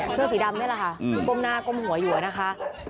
เสื้อสีดำนี่แหละค่ะก้มหน้าก้มหัวอยู่นะคะ